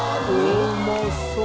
うまそう！